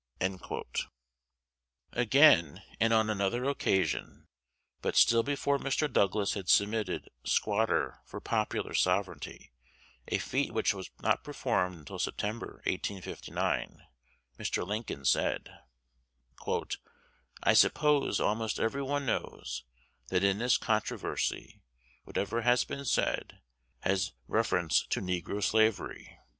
'" Again, and on another occasion, but still before Mr. Douglas had substituted "squatter" for "popular" sovereignty, a feat which was not performed until September, 1859, Mr. Lincoln said, "I suppose almost every one knows, that in this controversy, whatever has been said has had reference to negro slavery.